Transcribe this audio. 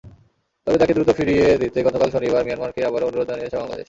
তবে তাঁকে দ্রুত ফিরিয়ে দিতে গতকাল শনিবার মিয়ানমারকে আবারও অনুরোধ জানিয়েছে বাংলাদেশ।